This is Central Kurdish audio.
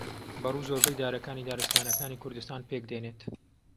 بەڕوو زۆربەی دارەکانی دارستانەکانی کوردستان پێک دێنێت